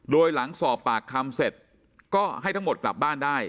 โดยหลังสอบปากคำเสร็จก็ให้ทั้งหมดกลับบ้านได้